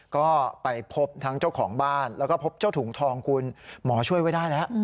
ก็ไปพบทั้งเจ้าของบ้านแล้วก็พบเจ้าถุงทองคุณหมอช่วยไว้ได้แล้ว